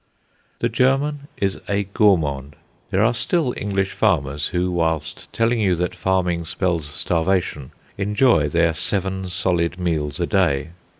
The German is a gourmand. There are still English farmers who, while telling you that farming spells starvation, enjoy their seven solid meals a day.